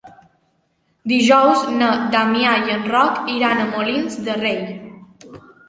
Dijous na Damià i en Roc iran a Molins de Rei.